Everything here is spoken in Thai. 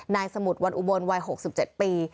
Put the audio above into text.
สมุทรวันอุบลวัย๖๗ปี